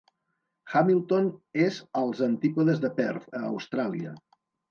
Hamilton és als antípodes de Perth, a Austràlia.